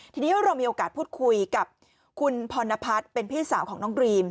ทีนี้เรามีโอกาสพูดคุยกับคุณพรณพัฒน์เป็นพี่สาวของน้องดรีม